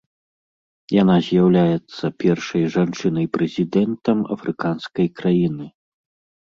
Яна з'яўляецца першай жанчынай-прэзідэнтам афрыканскай краіны.